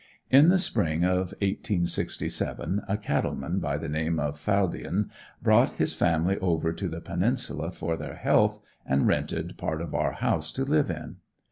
In the spring of 1867, a cattle man by the name of Faldien brought his family over to the Peninsula for their health and rented part of our house to live in.